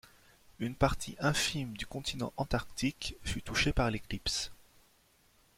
Une partie infime du continent Antarctique fut touchée par l'éclipse.